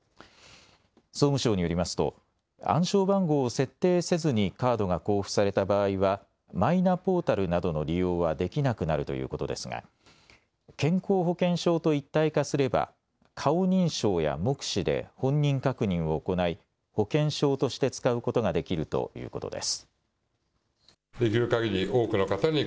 総務省によりますと暗証番号を設定せずにカードが交付された場合はマイナポータルなどの利用はできなくなるということですが、健康保険証と一体化すれば顔認証や目視で本人確認を行い保険証として使うことができるということです。＃